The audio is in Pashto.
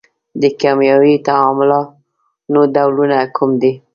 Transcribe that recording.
د کیمیاوي تعاملونو ډولونه کوم دي؟